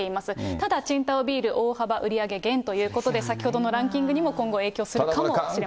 ただ、青島ビール、大幅売り上げ減ということで、先ほどのランキングにも今後、影響するかもしれません。